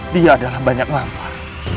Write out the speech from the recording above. dia adalah banyak lampar